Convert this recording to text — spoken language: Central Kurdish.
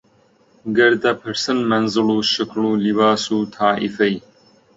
گەر دەپرسن مەنزڵ و شکڵ و لیباس و تائیفەی